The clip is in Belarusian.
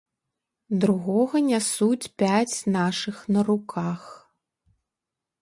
Другога нясуць пяць нашых на руках.